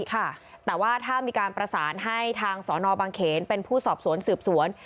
แต่ว่าถ้ามีการประสานให้ทางสนบางเขนเป็นผู้สอบสวนสืบสวน